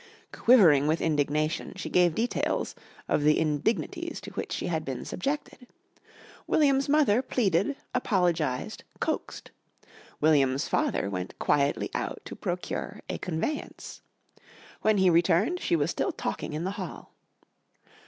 Quivering with indignation she gave details of the indignities to which she had been subjected. William's mother pleaded, apologised, coaxed. William's father went quietly out to procure a conveyance. When he returned she was still talking in the hall.